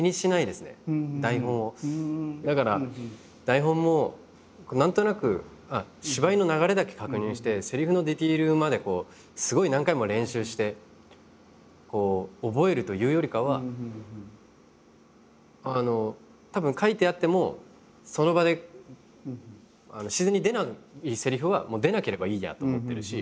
だから台本も何となく芝居の流れだけ確認してセリフのディテールまですごい何回も練習して覚えるというよりかはたぶん書いてあってもその場で自然に出ないセリフはもう出なければいいやと思ってるし。